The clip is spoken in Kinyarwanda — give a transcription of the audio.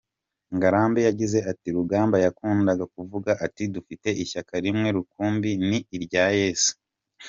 Ngarambe yagize ati “Rugamba yakundaga kuvuga ati ‘dufite ishyaka rimwe rukumbi ni irya Yezu’.